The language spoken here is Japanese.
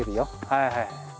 はいはいはい。